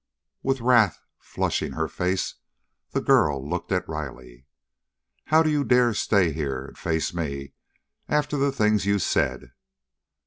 With wrath flushing her face, the girl looked at Riley. "How do you dare to stay here and face me after the things you said!"